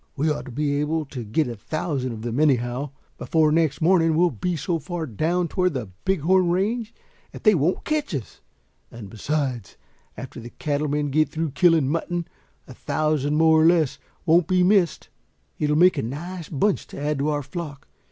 We ought to be able to get a thousand of them anyhow. Before next morning we'll be so far down toward the Big Horn range that they won't catch us. And besides, after the cattle men get through killing mutton, a thousand more or less won't be missed. It'll make a nice bunch to add to our flock.